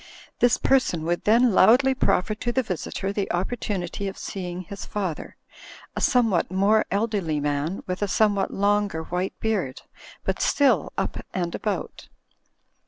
This person would then loudly proffer to the visitor the opportunity of seeing his father, a somewhat more elderly man, with a somewhat longer white beard, but still "up and about.